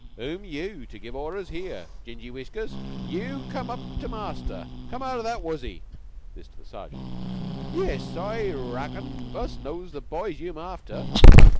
"Who'm yeou to give arders here, gingy whiskers? Yeou come up to the master. Come out o' that wuzzy! [This is to the Sergeant.] Yiss, I reckon us knows the boys yeou'm after.